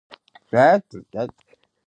¿Por qué fai esi ruíu?